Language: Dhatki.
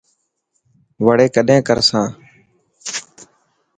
وڙي ڪڏهن ڪر سان.